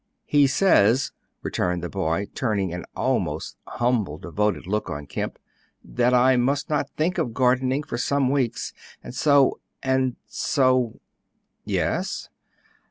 "He says," returned the boy, turning an almost humbly devoted look on Kemp, "that I must not think of gardening for some weeks. And so and so " "Yes?"